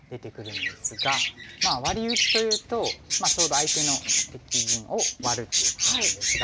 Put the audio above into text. まあワリ打ちというとちょうど相手の敵陣をワルということなんですが。